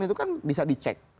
itu kan bisa dicek